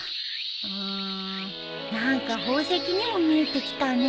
うん何か宝石にも見えてきたね。